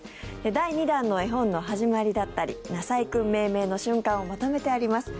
第２弾の絵本の始まりだったりなさいくん命名の瞬間をまとめてあります。